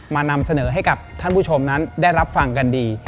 นำเสนอให้กับท่านผู้ชมนั้นได้รับฟังกันดี